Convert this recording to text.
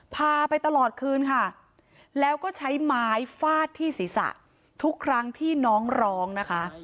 พาไปตลอดคืนค่ะแล้วก็ใช้ไม้ฟาดที่ศีรษะทุกครั้งที่น้องร้องนะคะ